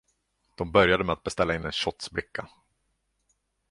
De började med att beställa in en shotsbricka.